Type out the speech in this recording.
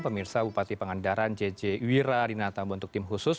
pemirsa bupati pangandaran jj iwira di natambu untuk tim khusus